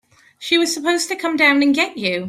She was supposed to come down and get you.